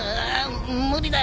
無理だよ